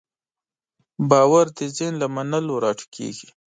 باور د ذهن له منلو راټوکېږي.